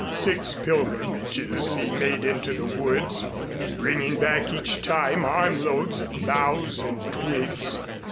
Six pilgrimages he made into the woods, bringing back each time armloads of boughs and twigs.